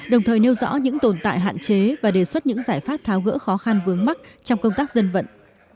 đồng thời nêu rõ những tồn tại hạn chế và đề xuất những giải pháp tháo gỡ khó khăn vướng mắt trong công tác dân vận